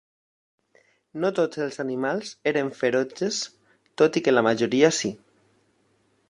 No tots els animals eren ferotges, tot i que la majoria sí.